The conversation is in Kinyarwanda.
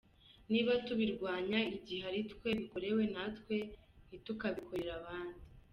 niba tubirwanya igihe aritwe bikorewe natwe ntitukabikorere abandi.